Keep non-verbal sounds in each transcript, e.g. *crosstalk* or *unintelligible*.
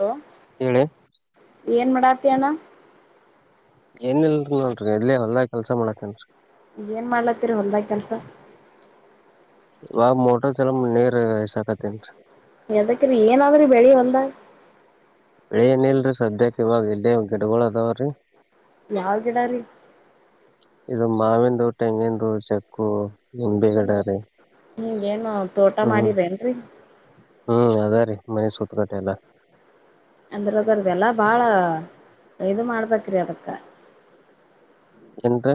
Hello ಹೇಳಿ ಏನ್ ಮಾಡ ತಿ ಅಣ್ಣಾ ಏನ್ ಇಲ್ ನಾನ್ ಎಲ್ಲಿ ಹೊಲ್ದಾಗ ಕೆಲ್ಸ ಮಾಡತೇನ್ರೀ. ಕೆಲಸ ಇವಾಗ ಮೋಟರ್ ಚಲೋ ಮ್ ನೀರ್ *unintelligible* ಯದಕ್ರೀ ಏನಾದ್ರಿ ಬೆಳಿ ಹೊಲ್ದಾಗ ಬೆಳಿ ಏನ ಇಲ್ರಿ ಸದ್ಯಕ್ಕೆ ಇವಾಗ ಇಲ್ಲೇ ಗಿಡಗೊಳ್ ಅದಾವ್ರೀ. ಯಾವ್ ಗಿಡಾರೀ. ಇದು ಮಾವಿಂದು, ತೆಂಗಿಂದು, ಚಕ್ಕು ನಿಂಬೆ ಗಿಡ ಅಂದ್ರ ರೀ ಹಿಂಗ್ ಏನು ತೋಟ ಹ್ಮ್ ಮಾಡಿರೆನ್ರಿ. ಹ್ಮ್ ಅದ ರೀ ಮನೆ ಸೂತ್ತ ಕಟ್ಟೆ ಎಲ್ಲ ಅಂದ್ರ ಅದರ್ದ್ ಎಲ್ಲ ಬಾಳ ಇದ ಮಾಡ್ಬೇಕ್ರಿ ಅದಕ್ಕ ಏನ್ರಿ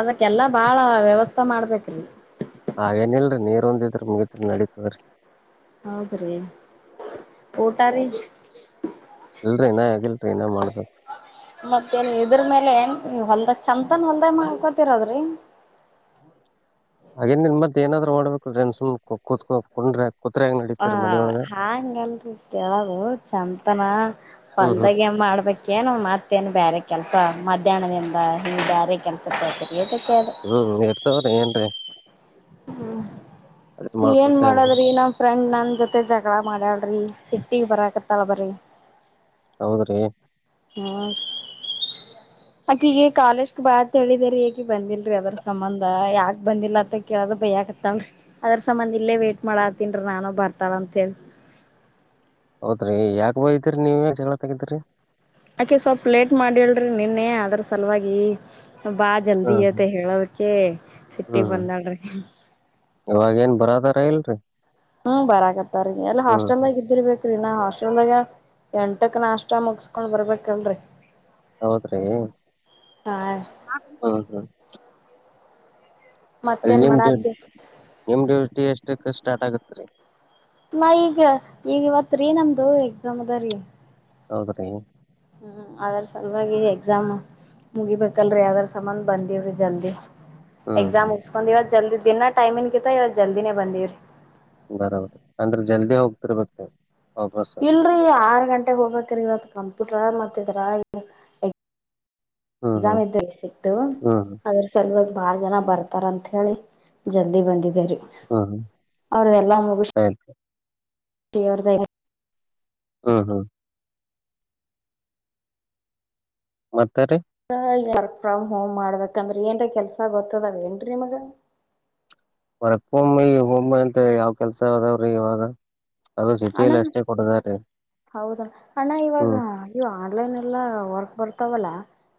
ಅದಕ್ಕೆಲ್ಲಾ ಬಾಳ ವ್ಯವಸ್ಥೆ ಮಾಡ್ಬೇಕ್ರಿ. ಆಗೇನಿಲ್ರಿ ನೀರೊಂದಿದ್ರ ಮುಗಿತ್ರಿ ನಡೀತದರಿ. ಹೌದ್ರಿ ಊಟಾರೀ. ಇಲ್ರಿ ಇನ ಆಗಿಲ್ರಿ ಇನ್ನ ಮಾಡ್ಬೇಕ್. ಮತ್ತೇನ್ ಇದರ್ ಮೇಲೆ ಏನ್ ಹೊಲ್ದ ಚಂತನ್ ಹೊಲ್ದೇ ಒಂದ್ ಮಾಡ್ಕೋತಿರದ್ರಿ. ಹಾಗೇನ್ ನಿನ್ ಮತ್ ಏನಾದ್ರೂ ಮಾಡ್ಬೇಕಲ್ರಿ *unintelligible* ಹ ನಡೀತಾರ ಮನಿಯೊಳಗ ಹಾಂಗಲ್ ಹೇಳೋದು ಚಂತನ ಹ್ಮ್ ಹ್ಮ್ ಹೊಲ್ದಾಗ ಏನ್ ಮಾಡ್ಬೇಕೇನ ಮತ್ತ್ ಏನ್ ಬ್ಯಾರೆ ಕೆಲ್ಸ ಮಧ್ಯಾಹ್ನದಿಂದ ಹಿಂಗ್ ಬ್ಯಾರೆ ಕೆಲಸ *unintelligible* ಹ್ಮ್ ಇರ್ತದರ್ಲ್ಯಾ ಏನ್ರೇ. ಹ್ಮ್ ಏನ್ ಮಾಡ್ಕೊತ ಮಾಡೋದ್ರಿ ನಮ್ಮ್ ಫ್ರೆಂಡ್ ನನ್ ಜೊತೆ ಜಗಳ ಮಾಡ್ಯಾಳರಿ ಸಿಟ್ಟಿ ಬರಕತ್ತಾಳ ಬರೇ. ಹೌದ್ರಿ ಹ್ಮ ಅಕ್ಕಿಗೆ ಕಾಲೇಜಕ್ ಬಾ ಅತ್ ಹೇಳಿದೇರಿ ಅಕ್ಕಿ ಬಂದಿಲ್ರರಿ ಅದರ್ ಸಂಬಂಧ ಯಾಕ ಬಂದಿಲ್ಲ ಅತ್ತ ಕೇಳದ ಭೈ ಆಕತ್ತಲ್ರಿ ಅದ್ರ ಸಂಬಂಧ ಇಲ್ಲೇ ವೇಟ್ ಮಾಡತ್ತನ್ರೀ ನಾನು ಬರ್ತಾಳ ಅಂತ ಹೇಳಿ. ಹೌದ್ರಿ ಯಾಕ್ ಬಯಿತಿರಿ ನೀವ್ ಜಗಳ ತಗಿತಿರಿ. ಅಕ್ಕಿ ಸ್ವಲ್ಪ್ ಲೇಟ್ ಮಾಡಿಳ್ರಿ ನಿನ್ನೆ ಅದ್ರ ಸಲುವಾಗಿ ಬಾ ಜಲ್ದಿ ಹ್ಮ್ ಹ್ಮ್ ಇವತ್ ಹೇಳೋದಕ್ಕೆ ಸಿಟ್ಟಿಗೆ ಹ್ಮ್ ಬಂದಾಳ್ರಿ. ಬರಾವರ್ಧರ್ ಇಲ್ರಿ. ಹ್ಮ್ ಬರಕತ್ತಾರೀ ಎಲ್ಲ ಹ್ಮ್ ಹ್ಮ್ ಹಾಸ್ಟೆಲ್ದಾಗ ಇದ್ದಿರ್ಬೇಕ್ರೀ ಇನ್ ಹಾಸ್ಟೆಲ್ದಾಗ ಎಂಟಕ್ ನಾಷ್ಟ ಮುಗಸ್ಕೊಂಡ್ ಬರ್ಬೇಕಲ್ರಿ. ಹೌದ್ರಿ ಹ್ಮ್ ಹ್ಮ್. ಅಲ್ಲಿ ಮತ್ತೇನ್ ನಿಮ್ ಡ ಮಾಡಾತಿ ನಿಮ್ ಡ್ಯೂಟಿ ಎಷ್ಟಕ್ ಸ್ಟಾರ್ಟ್ ಆಗುತ್ತೆ. ತ್ರಿ *inaudible* ನಾ ಈಗ ಈಗ ಇವತ್ ರೀ ನಮ್ದು ಎಕ್ಸಾಮ್ ಅದ ರೀ. ಹೌದ್ರೀ ಹ್ಮ್ ಅದ್ರ ಸಲುವಾಗಿ ಎಕ್ಸಾಮ್ ಮುಗಿಬೇಕಲ್ರಿ ಅದರ ಸಂಬಂಧ ಬಂದೀವ್ರಿ ಜಲ್ದಿ. ಹ್ಮ್ ಎಕ್ಸಾಮ್ ಹ್ಮ್ ಮುಗಸ್ಕೊಂಡ್ ಇವತ್ತ್ ಜಲ್ದಿ ದಿನ ಟೈಮ್ ಕಿಂತ ಇವತ್ತ್ ಜಲ್ದಿನೇ ಬಂದಿವ್ರಿ. ಬರೋಬರಿ ಅಂದ್ರೆ ಜಲ್ದಿ ಹೋಗ್ತಿರ್ಬೇಕ. ಇಲ್ರಿ ಆರ್ ಗಂಟೆಗ ಹೋಗಕರೆ *unintelligible* ಬಿಟ್ರ ಮತ್ತಿದ್ರ *unintelligible* ಹ್ಮ್ ಹ್ಮ್ ಜಾಮದ ಸಿತ್ತು ಹ್ಮ್ ಹ್ಮ್ ಅದ್ರ ಸಲುವಾಗಿ ಬಾ ಜನ ಬರ್ತಾರ ಅಂತ ಹೇಳಿ ಜಲ್ದಿ ಬಂದಿದರಿ ಹ್ಮ ಹಾಗ ಅವ್ರದೈ ಹ್ಮ್ ಹ್ಮ ಮತ್ತರಿೀ ವರ್ಕ್ ಫ್ರಮ್ ಹೋಮ್ ಮಾಡ್ಬೇಕಂದ್ರ ಏನ್ರ ಕೆಲ್ಸ ಗೊತ್ತದದ ಏನ್ೀ ನಿಮ್ಗ ವರಕ್ ಒಮ್ಮಿ ಈ ಒಮ್ಮಿ ಅಂತ ಯಾವ್ ಕೆಲ್ಸ ಅದಾವ್ರಿ ಇವಾಗ ಅದು ಸಿಟಿಯಲ್ಲಿ ಅಣ್ಣ ಅಷ್ಟೇ ಕೊಡದಾರೀ ಹೌದಣ್ಣ ಅಣ್ಣ ಇವಾಗ ಹ್ಮ್ ಇ ಆನ್ಲೈನ್ ಎಲ್ಲ ವರ್ಕ್ ಬರ್ತವಲ್ಲ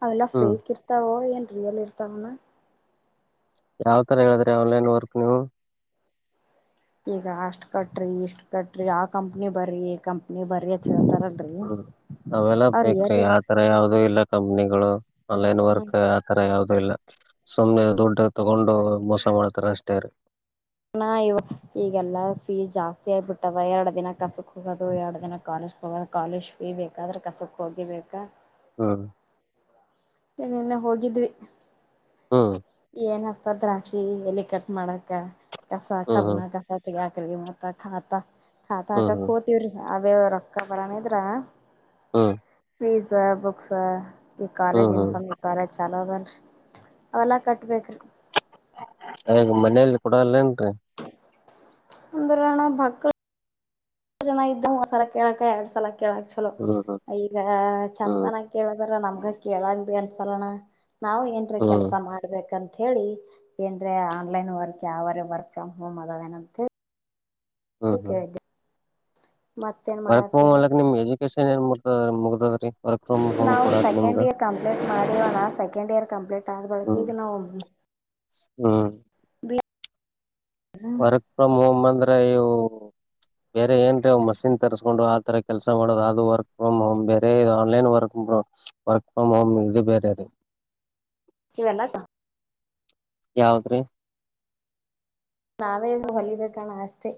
ಅವೆಲ್ಲ ಹ್ಮ್ ಫ್ರೀಕ್ ಇರ್ತಾವೋ ಏನ್ ಲ್ಲಿ ಇತಾಂಗನ ಯಾವ್ ತರ ಹೇಳಿದ್ರೆ ಆನ್ಲೈನ್ ವರ್ಕ್ ನೀವು ಈಗ ಅಷ್ಟ್ ಕಟ್್ರಿ ಇಷ್ಟ್ ಕಟ್ರಿ ಆ ಕಂಪ್ನಿ ಬರ್ರಿ ಈ ಕಂಪ್ನಿ ಬರರಿ ಅೇಳ್ತಾರ ಹ್ಮ್ ಅವೆಲ್ಲ ಬೇಕ್ರಿ ಇರ್ತ ಆತರ ಯಾವ್ದೂ ಇಲ್ಲ ಕಂಪ್ನಿಗಳು ಆನ್ಲೈನ್ ಹ್ಮ್ ವರ್ಕ್ ಆ ತರ ಯಾವ್ದ ಲ್ಲ ಸುಮ್ಮ್ನೆ ದುಡ್ಡ ತಗೊಂಡು ಮೋಸ ಮಾಡ್ತಾರ ಅಷ್ಟೇ ನ ಇವ ಈಗೆಲ್ಲ ಫೀ ಜಾಸ್ತಿ ಆಗಬಿಟ್ಟವ ಎರಡು ದಿನ ಕಸಕ್ ಹೋಗೋದು ಎರಡು ದಿನ ಕಾಲೇಜ್ ಹೋಗೋದು ಕಾಲೇಜ್ ಫೀ ಬೇಕಾದ್ರೆ ಕಸಕ್ ಹೋಗಿಬೇಕ ಹ್ಮ ಏನನ್ನ ಹೋಗಿದ್ವಿ ಹಾ ಏನ್ಸ್ತ ದ್ರಾಕ್ಷಿ ಎಲ್ಲಿ ಕಟ್ ಮಾಡಾಕ ಕೆಸ ಹ್ಮ್ ಹಬನ ಹ್ಮ್ ಕಸಾ ತ ಲಿ ಮಾತಾ ಾತಾ ಹಾ ಹ್ಮ್ ತಾಕ ಹೋತಿವ್ರಿ ಅದೇ ರೊಕ್ಕ ಬಡಾನ ಇದ್ರ ಹ್ಮ ಫ್ರೀಸ್ ಬುಕ್ಸ ಈ ಕಾಲೇಜ್ ಹ್ಮ್ ಹ್ಮ್ ಇನ್ಕೋನ್ ಈ ಕಾಲೇಜ್ ಚಲ ಅವೆಲ್ಲ ಕಟ್ಟ ಬೇಕ್ರ ಈಗ ಮನೇಲಿ ಕಡ ಅಂದಲಣ ಭಕ್ಕಳ ಜನ ಇದ್ದ ಸಲ ಕೇಳಕ ಎರಡ್ ಸಲಕ ಕೇಳಕ್ ಚಲೋ ಹ್ಮ್ ಹ್ಮ್ ಈಗ ಹ್ಮ್ ಚಂತಾನ ಕೇಳಕ್ ಬರ ನಮ್ಗ ಕೇಳಾಗ ಭ ಅನ್ಸಲ್ಲಣ ನಾವು ಏನ್ರೀ ಕೆಲ್ಸ ಹ್ಮ್ ಮಾಡ್ಬೇಕಂತ ಅಂತ ಹೇಳಿ ಏನ್್ರೆ ಆನ್ಲೈನ್ ವರ್ಕ್ ಯಾವರ ವರ್ಕ್ ಫ್ರಮ್ ಹೋಮ್ ಅದಾವೇನಂತ ಹೇಳಿ ಹ್ಮ್ ಕೆ ಹ್ಮ್ ಅ ವರ್ಕ್ ಮ್ಕ್ ನಿಮ್ ಎಜುಕೇಶನ್ ಮತ್ತೆ ಏನ್ ಅವ್ರೆ ನಾವು ಸೆಕೆಂಡ್ ಇಯರ್ ಕಂಪ್ಲೀಟ್ ಮಾಡವಣ ಸೆಕೆಂಡ್ ಇಯರ್ ಕಂಪ್ಲೀಟ್ ಆದ ಬಳಕ ಹ್ಮ್ ಈಗ ನಾವು ಹ್ಮ್ ಬ ವರ್ಕ್ ಫ್ರಮ್ ಹೋಮ್ ಅಂದ್ರ ಇವು ಬೇರೆ ಏನ್ ರೀ ಮಷಿನ್ ತರಿಸಕೊಂಡು ಆತರ ಕೆಲ್ಸ ಮಾಡೋದು ಅದು ವರ್ಕ್ ಫ್ರಮ್ ಹೋಮ್ ಬೇರೆ ಇ online work work from home ಇದು ಬೇರೆ ರೀ ಇವೆಲ್ಲಸ ಯಾವದ್ರಿ ನಾವೇ ಹೊಲಬೇಕಣ ಅಷ್ಟೆ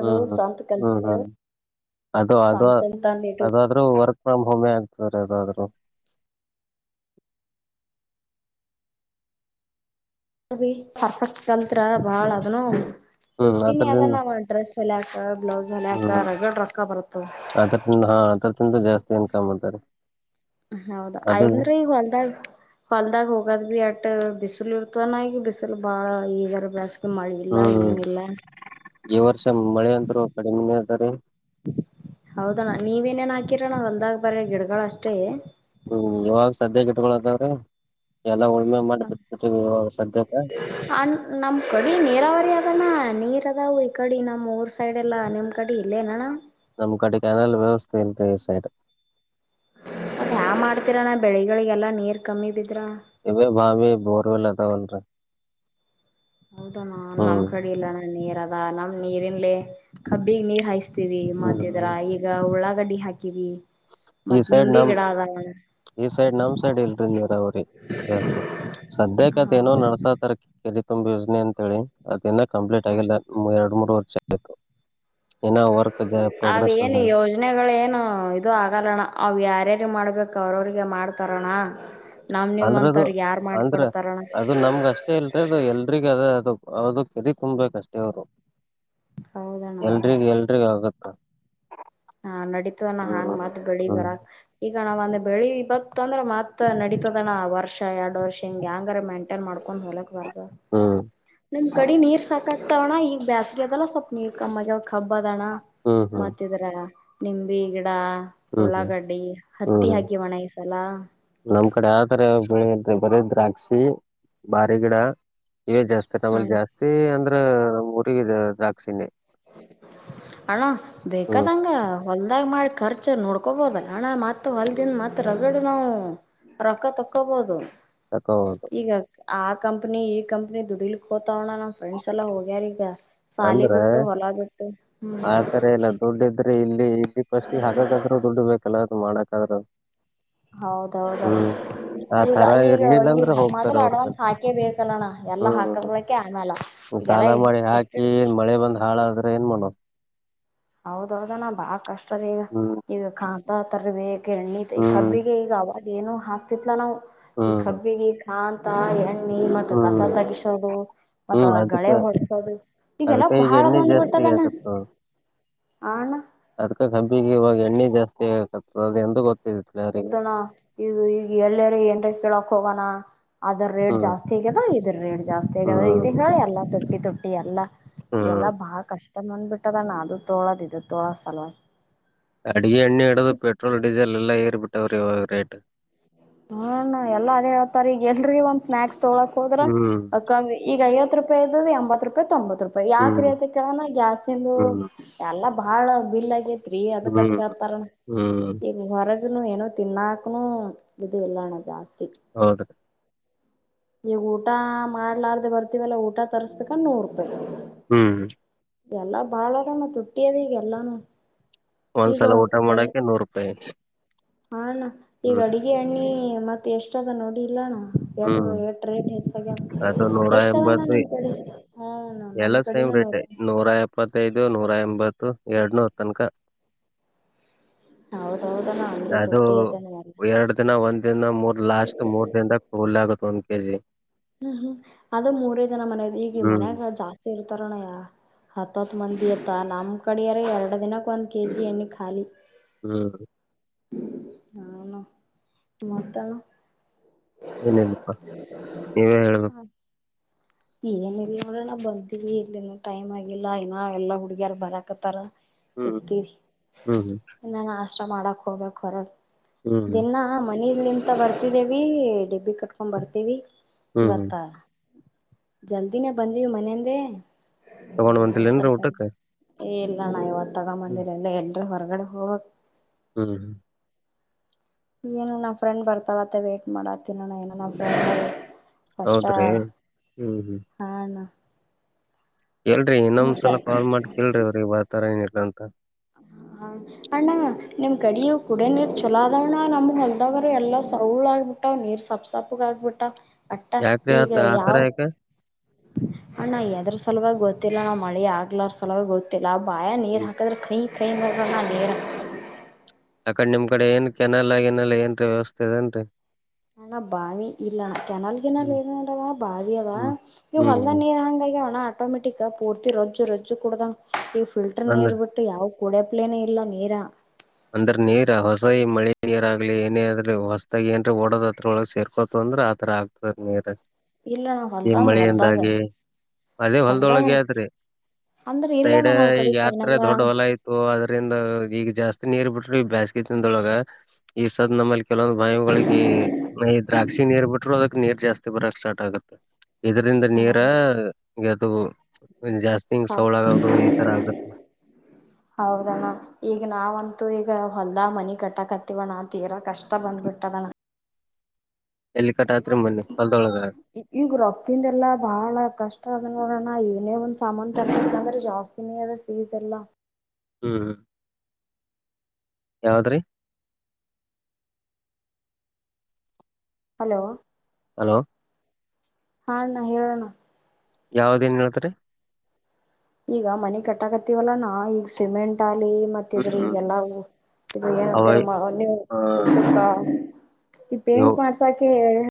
ಹ್ಮ್ ಹ್ಮ್ ಹ್ಮ್ ಹ್ಮ್ ಅದು ಅದು ಸ್ವಂತ ತಂದಿಟ್ಟು ಅದಾದ್ರೂ ವರ್ಕ್ ಫ್ರಾಮ್ ಹೋಮ್ಮೆ ಆಗ್ತಾರೆ ಅದಾದ್ರು ಪರ್ಫೆಕ್ಟ್ ಕಲ್ತ್ರ ಬಾಳ ಅದನು ಹ್ಮ್ ತುಡ್ತೀನಿ ಅದ್ರದಿಂದ ಅದನ್ನ ಮಾಡಂಟ್ರಷ್ಟ ಚೆಲಾಕ ಹ್ಮ್ ಅದ ಹಾ ಅದ ತಿಂತ ಜಾಸ್ತಿ ಮಷ್ಟ ಏನ್ ಕಾಮ್ ಮಾಡಂತಾರೆ ಹೌದು ಅಯಂದ್ರೀ ಈ ಹೊಲ್ದಾಗ್ ಹೊಲ್ದಾಗ ಹೋಗದ್ ಬಿ ಅಟ್ಟ ಬಿಸ ಬಿಸಲು ಇರ್ತಾನ ಈಗ ಬಿಸಿಸಿಲು ಬಾಳ ಈಗರ್ ಬ ಹ್ಮ್ ಹ್ಮ್ ಈ ವರ್ಷ ಮಳೆ ಅಂತರು ಕಡಿಮೆ ಸರಿ ಹೌದಣ ನೀವೇನೇನ್ ಹಾಕಿರ ನಾವ ಹೊಲ್ದಾಗ ಬರ್ರ ಗಿಡಗಳ ಅಷ್ಟೇ ಹ್ಮ್ ಯಾವಾಗ ಸದ್ಯ ಕೆ ಇಟ್ಕೊಳತ್ತವ್ರ ಎಲ್ಲ ಉಳಮೆ ಮಾಡಿ ಬಿರ್ತವಿ ಸಾಧ್ಯತೆ ಅಣ ನೀರ್ ಅದಾವ ಈ ಕಡೆ ನಮ್ಮ್ ಊರ್ ಸೈಡ್ ಎಲ್ಲ ನಿಮ್ಮ್ ಕಡೆ ಇಲ್ಲೇ ಅಣ ನಮ್ ಕಡೆಗೆ ನಲ್ಲ ವ್ಯವಸ್ಥೆ ಇಲ್ದೆ ಈ ಸೈಡ್ ಮತ್ತ ಯಾ ಮಾಡ್ತೀರ ನಾ ಬೆಳಿಗಳಿಗೆಲ್ಲಾ ನೀರ್ ಕಮ್ಮಿ ಬ ಇದ ಭಾವಿ ಬೋರ್ವೆಲ್ ಅದಾವಲ್ರ ಹೌದ ನಮ್ ಕಡಿ ಇಲ್ಲ ನಾ ನೀರ ನಮ್ ನೀರಿ ಇನ್ಲ್ ಕಬ್ಬಿಗೆ ನೀರ್ ಹಾಯ್ಸ್ ಹ್ಮ್ ಮತ್ತಿದರ ಹ್ಮ್ ಈಗ ಉಳ ಗಾಡಿ ಹಾ ಈ ಸೈಡ್ ನಮ ಅದಾವ ಈ ಸೈಡ್ ನಮ್ ಸೈಡ್ ಇಲ್ರಿ ನೀರ ಅವ್ರಿ ಸದ್ಯ ಕತೆ ಏನೋ ಹೌದಾ ನಡ್ಸಾತರ್ ಇಲ್ಲಿ ತುಂಬಾ ಯೋಜನೆ ಅಂತ ಹೇಳಿ ಅ ಇ ಕಂಪ್ಲೀಟ್ ಆಗಿಲ್ಲ ಎರಡು ಮೂರ ನೋರ್ *unintelligible* ಅವೇನು ಯೋಜನೆಗಳ ಏನು ಇದು ಆಗಲ್ಲಣ್ಣ ಅವ್ ಯಾರ್ಯಾರ ಮಾಡ್ಬೇಕ ಅವ್ರ ಅವ್ರಿಗೆ ಮಾಡ್ತಾರಣ ನಮ್ ಅಂದ್ರದು ನಿಮ್ಮಂತವ್ರ ಯಾರ್ ಅಂದ್ರ ಮಾಡ್ಕೊಡ್ತಾರಣ ಅದು ನಮ್ಗ ಅಷ್ಟೇ ಇಲ್ರ ಅದು ಎಲ್ರಿಗ ಅದ ಅದು ಹದ ಕೆದ ತುಂಬಬೇಕಷ್ಟೇ ಅವ್ರು ಹೌದಣ ಎಲ್ರಿಗ ಎಲ್ರಿಗ ಆಗುತ್ತ ಹಾ ನಡೀತವ ನಾ ಹಾಂಗ್ ಮಾತ್ ಬೆಳಿ ಹ್ಮ್ ಬರಕ್ ಈಗ ನಾವ್ ಅಂದ್ರ ಬೆಳಿ ಇವಕ್ ಅಂದ್ರೆ ಮತ್ ನಡೀತದನ ವರ್ಷ ಎರಡ್ ವರ್ಷ ಹಿಂಗ್ ಹಂಗರ ಮೈಂಟೈನ್ ಮಾಡ್ಕೊಂಡ್ ಹ ಹೊಳಕ್ ಬರ್ತ ಹ್ಮ್ ನಿಮ್ ಕಡೆ ನೀರ್ ಸಾಕ ಕಟ್ಟತೋಣ ಈಗ ಬೇಸ್ಿಗೆ ಅದಲ್ಲ ಸ್ವಪ್ಪ ನೀರ್ ಕಮ್ಮಆಗೇವ್ ಖಬ್ಬದಣ ಹ್ಮ್ ಹ್ಮ್ ಮತ್ತ ಹ್ಮ್ ಇದ್ರ ನಿಂಬಿ ಈಗ ಹ್ಮ್ ಉುಳ್ಳಾಗಡ್ಡಿ ಹ್ಮ್ ಹತ್ತಿ ಹ್ಮ್ ಹಾಕಿ ವ ಅಣ ಈಸಲ ಬರ ದ್ರಾಕ್ಷಿ ಬಾರಿ ಗಿಡ ಇವ ಜಾಸ್ತಿ ಹ ನಮ್ಮಲ್ಲಿ ಜಾಸ್ತಿ ಅಂದ್ರ ಉರಿಗಿದ ದ್ರಾಕ್ಷಿಣೆ ಅಣ ಹ್ಮ್ ಬೇಕದಂಗ ಹೊಲ್ದಾಗ ಮಾಡಿ ಖರ್ಚ ನೋಡ್ಕ ತಕೊಬೋದಲ್ಲ ಅಣ್ಣ ಮತ್ತ ಹೊಲ್ ದನ್ ಮತ್ ರಗಡೆ ನಾವು ರೊಕ್ಕ ತಕ್ಕೊಬಹದು ತಕೌದು ಆ ಕಂಪನಿ ಈ ಕಂಪನಿ ದುಡಿೀಲುಕೋತ ತಗೋಣ ನ ಫ್ರೆ್ ಎಲ್ಲ ಹೋಗ್ಯಾರ ಈಗ ಸಾಲೆ ಅಂದ್ರ ಬಿಟ್ಟ ಹೊಲಾಗುತ್ತೆ ಹ್ಮ್ ಆತರ ಇಲ್ಲ ದುಡ್ಡು ಇಲ್ಲಿ ಇ ಫಸ್ಟ್ಿಗೆ ಹಾಗಾದ್ರೂ ದುಡ್ಡು ಬೇಕಲ್ಲ ಮಾಡಕಾದ್ರರು ಹೌದೌದೌದು ಆ ಈಗ ತರ ಈಗ ಇರ್ಲಿಲ್ಲ ಈ ಅಂದ್ರೆ ಹೋಗ್ತಾರ ಮೊದಲ ಅವ್ರ ಅಡ್ವಾನ್ಸ್ ಕೆಲ್ಸಕ್ಕೆ ಹಾಕೇ ಬೇಕಲ್ಲಣ ಎಲ್ಲ ಹ್ಮ್ ಹಾಕದಕ್ಕೆೆ ಆಮೇಾಲ ಈಗೆಲ್ಲ ಎಷ್ಟ ಏನ್ ಮಳೆ ಬಂದ್ಾಳಾದ್ರೆ ಏನ್ ಮಾಡ್ ಹೌದೌದ ನಾ ಬಾಳ ಕಷ್ಟ ರ ಈಗ ಹ್ಮ್ ಈಗ ದಾತರ ಬೇಕು ಗಿರಣಿ ಹ್ಮ್ ಬ್ಬಿ ಕ ಈಗಾವ ಏನು ಹಾಕ್ತಿತ್ಲಾ ನಾವು ಈ ಹ್ಮ್ ಬ್ಬಿಿಗೆ ನ್ *unintelligible* ಹಾಗ *unintelligible* *inaudible* ಮತ್ತತ್ ಕಸ ಹ್ಮ್ ತಗಿಸೋದು ಮತ್ತ ಹ್ಮ್ ಅದ ಅದಕ್ಕ ಳೆ ಹೊಡೆಸೋದು ಈಗೆಲ್ಲ ಅದಕ್ಕ ಈಗ ಬಹಳ ಬಂದ್ ಬಿಟ್ಟದನ ಅದಕ ಕಂಪಿಿಗೆ ಇವಾಗ ಎಣ್ಣೆ ಜಾಸ್ತಿ ಆಗದೆ ಗೊತ್ತ ಹೌದಣ ಈಗ ಈಗ ಎಲ್ಲಾರ ಏನ್ರ ಕೇಳಕ್ ಹೋಗೋಣ ಅದರ ರೇಟ್ ಹ್ಮ್ ಜಾಸ್ತಿ ಆಗ್ಯದ ಇದ್ರ ರೇಟ್ ಜಾಸ್ತಿ ಆಗದ ಹ್ಮ್ ಇದ ಹೇಳಿ ಎಲ್ಲಾ ತಪ್ಪ ತೊಟ್ಟಿ ಅಲ್ಲ ಎಲ್ಲಾ ಹ್ಮ್ ಬಾಳ ಕಷ್ಟನ ಬಂದ್ಬಿಟ್ಟಿ ಪಟ್ಟದ ನ ಅದು ತೋಳದಿದ್ದ ತೋಳಸಲವ ಅಡಗೆ ಎಣ್ಣ ಹಿಡದು ಪೆಟ್ರೋಲ್ ಡೀಸೆ ಎಲ್ಲ ಇ ಬಿಮ ಆರು ಹ್ಮ ನಾವ ಎಲ್ಲ ಅದೇ ಹೇಳ್ತಾರ ಈಗ ಎಲ್ರಿ ಒಂದ್ ಸ್ನಾಾಕ್ಸ್ ತೊಳಕ್ ಹೋದ್ರ ಹ್ಮ್ ಕ ಈಗ ರೂಪಾಯ ಇದು ಎಂಬತ್ತು ರೂಾಯಿ ತೊಂಬತ್ತು ರೂಪಾಯಿ ಯಾವ ಹ್ಮ್ ಕ್ರಿಯತಿ ಕ ಜ್ಯಾಸ್ತಿಂದು ಹ್ಮ್ ಎಲ್ಲಾ ಬಹಳ ಬಿಲ್ ಆಗ ನೀ ಅದ ಹ್ಮ್ ಕಥಾತ ಹ್ಮ್ ಈಗ ಹೊಾರ ನೋ ತಿನ್ನಾಕಣ ಇದು ಎಲ್ಲಣ ಜಾಸ್ತಿ ಹೌದು ಈಗ ಊಟ ಮಾಡ್ಲಾರ್ದ ಬರ್ತಿವಲ್ಲಾ ಊಟ ತರ್ಸ್ಬೇಕನ್ ನೋಬೇಕ ಹ್ಮ್ ಎಲ್ಲಾ ಬಾಳರಾನ ತುಟ್ಟಿಯದ ಈಗ ಎಲ್ಲಾನು ಈಗ ಒಂದ್ಸಲ ಊಟ ಮಾಡಕೆ ನೂರು ರೂಪಾಯಿ ಹಾ ನ ಈ ಹ್ಮ್ ಗಡಗೆ ಅ ಮತ್ತತ್ ಎಷ್ಟದ ನೋಡಿ ಇಲ್ಲಣ ಹ್ಮ್ ಹೆ ಅದು ನೂರ ಎಷ್ಟಣ ಎಂಬತ್ತು ನಿ್ ಕಡೆ ಹ ನಮ್ ಕಡೊ ದು ನೂರ ಎಂಬತ್ತು ಎರಡ್ನೂ ತನಕ ಹೌದೌದಣ ಅಂದ್ರ ಅದು ತುಟ್ಟಿ ಐತಣ್ಣ ಎಲ್ಲ ಎರಡು ದಿನ ಒಂದ್ ದಿನ ಮೂರ್ ಲಾಸ್ಟ್ ಮೂರ್ ದಿನದ ಆಗುತ್ತ ಒಂದ್ ಕೆ ಜಿ ಹ್ಮ್ ಹ್ಮ್ ಅದ ಮೂರೇ ಜನ ಮನದ ಈಗ ಹ್ಮ್ ಮನ್ಯಾಗ ಜಾಸ್ತಿ ಇರ್ತಾರಣಯ್ಯ ಹತ್ತ ಹತ್ತು ಮಂದಿ ಇತ್ತ ನಮ್ಮ್ ಕಡರ ಎರಡು ದಿನಕ್ಕೆ ಒಂದ್ ಕೆಜಿ ಎಣ್ಣೆ ಖಾಲಿ ಹ್ಮ್ ಹ ಅಣ್ಣ ಮತ್ತ ಏನಲ್ಲಪ್ಪಾ ನೀ ನೀನೇ ಹೇಳಬೇಕ ಏನಿಲ್ಲ ನೋಡ್ರ ಅಣ್ಣ ಬರ್ದೀವಿ ಇಲ್ಲಿ ಟೈಮ್ ಆಗಿಲ್ಲ ಇನ ಎಲ್ಲಾ ಹುಡುಗಿಯಾರ ಬರಾಕತ್ತಾರ ಹ್ಮ್ ಕುತೀವಿ ಹ್ಮ್ ಇನ್ ನಾಷ್ಟಾ ಕೆಲಸ ಮಾಡಕ ಹೋಗಬೇಕ ಹೊರಗ ಹ್ಮ್ ದಿನ್ನ ಮನಿ ಇಂತ ಬರ್ತಿದ್ದೇವಿ ಡಿಬ್ಬಿ ಕಟ್ಕೊಂಡ್ ಬರ್ತೀವಿ ಹ್ಮ್ ಹ್ಮ್ ಇವತ್ತಾ ಜಲ್ದಿನೇ ಬಂದೀವಿ ಮನೆಯಂದೆ ತಗೊಂಡು ಬಂದಿಲ್ಲೇನ್ರ ಊಟಕ್ಕೆ ಇಲ್ಲಣ ಇವತ್ತು ತಗೊ ಹ್ಮ್ ಬಂದಿಲ್ಲ ಇನ್ ಎಂಟ್ ಹೊರಗಡೆ ಹೋಗ್ ಹ್ಮ್ ಏನು ನಾವ ಫ್ರೆಂಡ್ ಬರ್ತಾವತ್ತ ವೇಟ್ ಮಾಡಕತೀನಿ ಅಣ್ಣ ಇನ ಬರಲೇ ಹೌದ್ರಿ ಹ್ಮ್ ಹ್ಮ್ ಹಾ ಅಣ್ಣ ಎಲ್ರಿ ಇನ್ನೊಂದ್ಸಲ ಮತ್ತ ಕಾಲ್ ಮಾಡಿ ಕೇಳರಿ ಅವ್ರಿಗೆ ಬರ್ತರ ಏನಿಲ್ಲ ಅಂತ ತ ಹ ಅಣ್ಣ ನಿಮ್ ಕಡಿಯು ಕುಡೇ ನೀರ್ ಚಲೋ ಆದವ್ಣ ನಮ್ಗ್ ಹೊಲ್ದಾಗರು ಎಲ್ಲ ಸೌಳ್ ಆಗಬಿಟ್ಟವ ನೀರ್ ಸೊಪ್ ಸಪ್ಪಗ ಆಗ್ಬಿಟ್ಟ ಅಟ್ಟ ಯಾಕ್ರಿ ಈಗ ಆತ ಆತರ ಯಾವ ಯಾಕ ಅಣ್ಣ ಎದ್ರೂ ಸಲವಾಗಿ ಗೊ ಗ ನಾ ಮಳಿ ಆಗ್ಲಾರ ಸಲವೇ ಗೊತ್ತಿಲ್ಲ ಆ ಬಾಯಗ್ ನೀರ್ ಹಾಕಿದ್ರೆ ಕಯಿ ಅತ್ತಾತಾವ್ ಕ ಬಾಲರ ಕಡೆ ನಿಮ್ ಕಡೆ ಏನ್ ಕೆನಲ್ ಗಿನಲ್ಲ ಏನ್ ರೀ ವ್ಯವಸ್ಥೆ ಅದ ಏನ್ರಿ ಅಣ್ಣ ಬಾವಿ ಇಲ್ಲ ಕೆನಾಲ್ಗಿನಲ್ಲಿ ಹ್ಮ್ ಏ ನೋಡವ ಬಾವಿ ಅವ ಹ್ಮ್ ಈವ ಹ್ಮ್ ಒಂದ ಹ್ಮ್ ನೀರ್ ಹಂಗ ಆಗ್ಯಾವಣ್ಣ ಆಟೋಮೆಟಿಕ್ ಪೂರ್ತಿ ರೊಜ್ಜು ರಜ್ಜುೂ ಕುಡದಂ ಇ್ ಫಿಲ್ಟರ್ ಅಂದ್ರ ನೀರ್ ಬಿಟ್ಟು ಯಾವ ಕುಡಪ್ಲೇನೆ ಇಲ್ಲ ನೀರ ಅಂದ್ರ ನೀರ ಹೊಸ ಈ ಮಳಿ ನೀರ್ ಆಗ್ಲಿ ಏನೇ ಅ ಆದ್ರ ಹೊಸದಾಗ ಏನ್ ಓಡೋದ ಒಳಗ್ ಸೇರ್ಕೋತ ಅಂದ್ರ ಆತರ ಆಗ್ತದ ನೀರ್ ಇಲ್ಲ ಈ ಹೊಲ್ದಂದ ಹೊಲ್ದಾಗ ಮಳಿಯಿಂದಾಗಿ ಅದೇ ಹೊಲದೊಳಗೆ ಹೊಲ್ದಾಗ ಆದ್ರಿ ಅಂದ್ರ ಇಲ್ಲಣ್ಣ ಸೈಡ್ ನಮ್ ಕಡೆ ಈಗ ಯಾರ್ ತರ ಕೆನಲ ದೊಡ್ಡ ಹೊಲ ಆಯತು ಅದ್ರಂದ ಈಗ ಜಾಸ್ತಿ ನೀರ್ ಬಿಟ್ರಿ ಬೇಸ್ಗಿತಂದೊಳಗ ಈ ಸಾದ್ ನಮ್ಮಲ್ಲಿ ಕೆಲವೊಂದು ಬಾವಿಗಳಿಗೆ ದ್ರಾಕ್ಷಿಗ ನೀರ್ ಬಿಟ್ರು ಅದಕ್ಕೆ ನೀರ್ ಜಾಸ್ತಿ ಬರಕ್ ಸ್ಟಾರ್ಟ್ ಆಗುತ್ತೆ. ಇದರಿಂದ ನೀರ. ಎದುರು ಹಾ ಆಗತ್ತೆ ಹೌದಣ್ಣ ಈಗ ನಾವಂತ. ತ್ತು ಈಗ ಹೊಲ್ದಾ ಮನಿ ಕಟ್ಟಕತ್ತವಣ ತೀರಾ ಕಷ್ಟ ಬಂದ್ಬಿಟ್ಟದಣ್ಣ. ಎಲ್ಲಿ ಕಟಾತ್ರರಿ ಮೊನ್ನೆ. ಹೊಲ್ದೊಳಗ ಈಗ ರೊತಿಂದಲ್ಲಾ ಬಾಳ ಕಷ್ಟ. ನೋಡೋಣ ಏನೇ ಒಂದ್ ಸಾಮಾನನ್ ತಗ ಅಂದ್ರೆ ಜಾಸ್ತಿನಿ ಅದ ಫೀಸ್ ಎಲ್ಲಾ. ಹ್ಮ್. ಯಾವದ್ರಿ ಹಲೋ ಹಲೋ ಹಾಣ ಹೇಳೋಣ. ಯಾವ್ದ ನ್ ಹೇಳ್ತರಿ. ಈಗ ಮನೆ ಕಟ್ಟಕತ್ತವಲ್ಲ ನಾ ಈಗ ಸಿಮೆಂಟ್ ಆ. ಳಿ ಮತ್ತ ಇದ್ರ ಈಗೆಲ್ಲಾ ಇದ ಏ ಅವೈ ತಿರುಮ ನೀವು ಹ ಉ ಸುಖ. ಈ ಇವು ಪೇಂಟ್ ಮಾಡ್ಸಾಕೆ ಹೇಳಿ.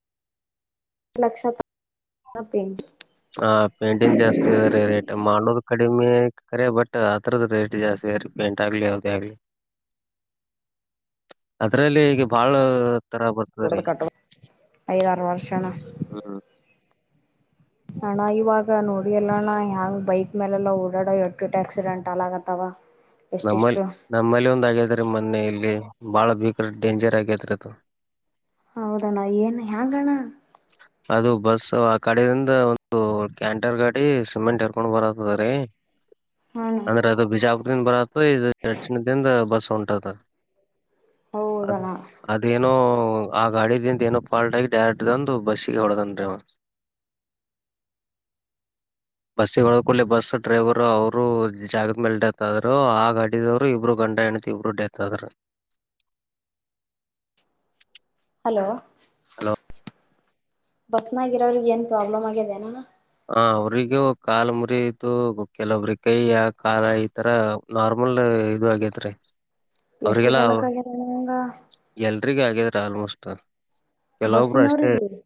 ಲಕ್ಷ. ಆ ಪೇಂಟಿಂಗ್ ಜಾಸ್ತಿ ಅದ ರೀ ರೇಟ್ ಮಾಡೋದು ಕಡಿಮೆ ಕರೆ ಬಟ್ ಅದರದ್ದ ರೇಟ್ ಜಾಸ್ತಿ ರೀ ಪೇಂಟ್ ಆಗ್ಲಿ ಯಾದೇ ಆಗ್ಲಿ ಅದ್ರಲ್ಲಿ ಈಗ ಬಾಳ. ತರ ಡ ಬರ್ತದ್ರೀ ಕ ಐದ ಆರ ವರ್ಷಣ. ಹ್ಮ್ ಅಣ ಇವಾಗ ನೋಡಿ ಎಲ್ಲ ಅಣ್ಣ ಹೆ ಯಾಂಗ್ ಬೈಕ್ ಮೇಲೆಲ್ಲಾ ಓಡಾಡ ಎಟ್ಟಟ್ಟ ಆಕ್ಸಿಡೆಂಟ್ ಆಲ್ ಆಗತ್ತವ. ನಮ್ಮಲ್ ನಮ್ಮಲ್ಲಿ ಒಂದ ಆಗ್ಯಾದ ರ ಮೊನೆಯಲ್ಲಿ. ಬಾಳ ಬೀಗ್ರ ಡೇಂಜರ್ ಆಗತ್ರ. ಹೌದಣ್ಣ ಏನ್ ಹ್ಯಾಂಗಣ್ಣ. ಅದು ಬಸ್ ಆ ಕಡೆಯಿಂದ ಒಂದು ಕ್ಯಾಂಟರ್ ಗಾಡಿ ಸಿಮೆಂಟ್ ಎರ್ಕೊಂಡ್ ಬರತ್ತದ ರೀ. ಹಣ ಅಂದ್ರದು ಬಿಜಾ. ದನ್ ಬರತ್ತ ಇ ಎಟನ ದನ್ ಬಸ್ ಹೊಂಟತ. ಅದ ಹೌದಣ್ಣ ಅದೇನೋ. ವು ಗಾಡಿದಿಂದ ಏನ ಫಲ್ಟ್ ಆಗಿ ಡೈರೆಕ್ಟ್ ಒಂದು ಬಸ್. ನ್ ಬಸ್ ಹೊಕಿ ಬಸ್ ಡ್ರೈವರ್ ಅವರು ಜಾಗದ ಮೇಲೆ ಡೆತ್ ಆದರು ಆ ಗಾಡಿದವ್ರು ಇಬ್ರು ಗಂಡ ಹೆಣತಿ ಇಬ್ರು ಡೆತ್ ಆದ್ರ. ಹಲೋ ಬಸ್ನಾಗಿರೋರಗ ಏನು ಪ್ರಾಬ್ಲಮ್ ಆಗಿದೆನ. ಹ ಅವ್ರಿಗೂ ಕಾಲ ಮುರಿ ಇದು ಕೆಲವೊಬ್ರ ಕಯ ಆ ಕಾಲ ಈತರ ನಾರ್ಮಲ್ ಇದು ಆಗೇತ್ರಿ. ಎಷ್ಟು ಅವ್ರಿಗೆಲ್ಲ ಜನಕ್ಕೆ ಆಗ್ಯದಣ್ಣ ಹಂಗ ಎಲ್ರಿಗ ಆಗ. ಆಲ್ಮೋಸ್ಟ್. ಕೆಲವೊಬ್ರು ಅಷ್ಟೇ ಬಸಿನವ್ರಿಗೆ.